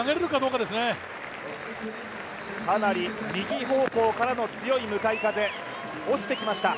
かなり右方向からの強い向かい風、落ちてきました。